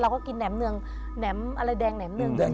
ก็กินแหมเนืองแหนมอะไรแดงแหมเนือง